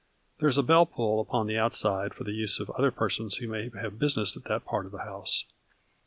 There is a bell pull upon the outside for the use of other persons who may have business at that part of the house.